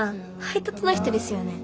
配達の人ですよね？